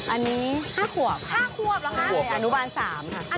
อันนี้๕หัวค่ะหรอคะนุบันสามค่ะ